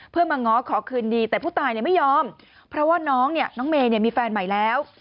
เพื่อมาง้อขอคืนดีแต่ผู้ตายไม่ยอมเพราะว่าน้องเนี่ยน้องเมย์มีแฟนใหม่แล้ว